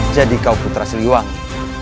jadi kau putra sliwangi